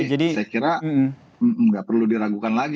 jadi saya kira gak perlu diragukan lagi